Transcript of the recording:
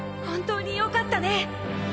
本当によかったね！